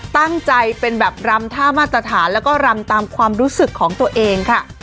ตั้งใจเป็นแบบรำท่ามาตรฐานแล้วก็รำตามความรู้สึกของตัวเองค่ะ